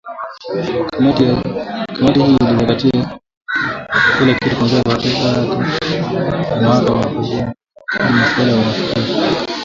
kamati hii ilizingatia kila kitu kuanzia falsafa yake ya mahakama kwa ujumla hadi maswali mahususi kuhusu maamuzi ambayo aliyatoa